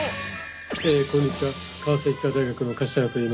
こんにちは川崎医科大学の柏原といいます。